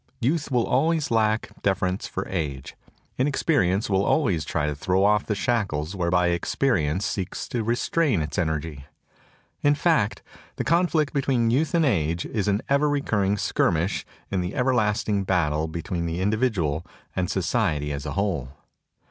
Youth will always lack deference for age. Inexperience will always try to throw off the shackles whereby experience seeks to restrain its energy. In fact, the con flict between youth and age is an ever recurring skirmish in the everlasting battle between the individual and society as a whole.